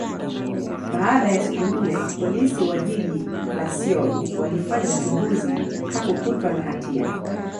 baada ya siku nne, Polisi wa jiji la Seoul walifanya uchunguzi, hakukutwa na hatia.